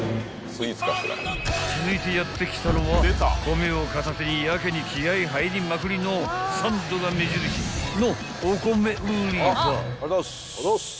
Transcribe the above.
［続いてやって来たのは米を片手にやけに気合入りまくりのサンドが目印の］